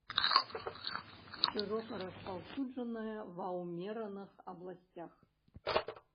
Шырока распаўсюджаная ва ўмераных абласцях.